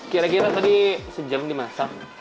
kira kira tadi sejam dimasak